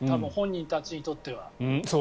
本人たちにとっては。